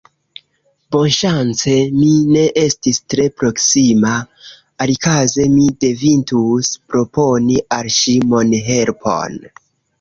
Bonŝance mi ne estis tre proksima, alikaze mi devintus proponi al ŝi monhelpon...